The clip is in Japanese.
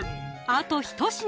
あと１品！